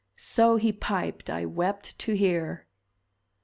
So he piped, I wept to hear!"